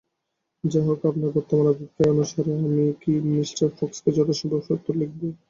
যা হোক, আপনার বর্তমান অভিপ্রায় অনুসারে আমি মি ফক্সকে যথাসম্ভব সত্বর লিখব।